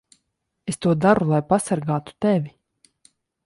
Es to daru, lai pasargātu tevi.